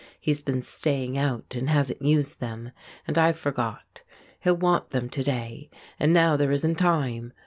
He's been 'staying out' and hasn't used them, and I forgot. He'll want them to day, and now there isn't time.